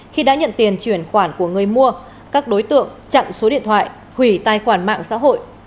khi đã nhận tiền chuyển khoản của người mua các đối tượng chặn số điện thoại hủy tài khoản mạng xã hội